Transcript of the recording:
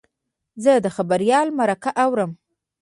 زه د خبریال مرکه اورم.